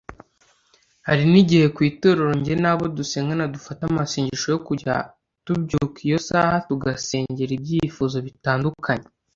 Hari n’igihe ku itorero njye nabo dusengana dufata amasengesho yo kujya tubyuka iyo saha tugasengera ibyifuzo bitandukanye